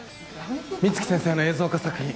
美月先生の映像化作品